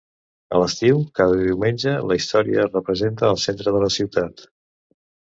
A l'estiu, cada diumenge, la història es representa al centre de la ciutat.